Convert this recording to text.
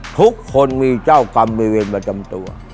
ทุกคนมีเจ้ากรรมมีเวรประจำตัว